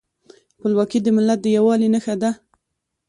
خپلواکي د ملت د یووالي نښه ده.